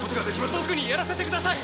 僕にやらせてください！